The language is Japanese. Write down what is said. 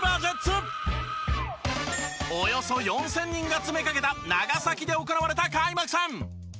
およそ４０００人が詰めかけた長崎で行われた開幕戦。